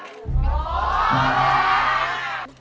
ได้